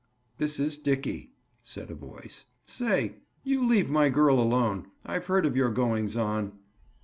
"This is Dickie," said a voice. "Say! you leave my girl alone. I've heard of your goings on."